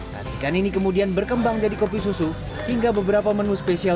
racikan ini kemudian berkembang jadi kopi susu hingga beberapa menu spesial